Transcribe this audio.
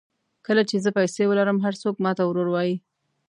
کله چې زه پیسې ولرم هر څوک ماته ورور وایي.